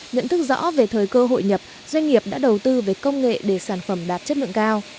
nhận thức rõ về thời cơ hội nhập doanh nghiệp đã đầu tư về công nghệ để sản phẩm đạt chất lượng cao